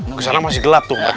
aku sangat royal untuk